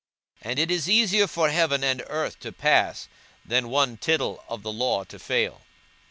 42:016:017 And it is easier for heaven and earth to pass, than one tittle of the law to fail.